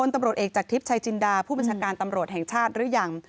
ตำรวจเอกจากทิพย์ชายจินดาผู้บัญชาการตำรวจแห่งชาติหรือยัง